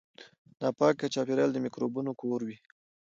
ناپاک چاپیریال د میکروبونو کور وي.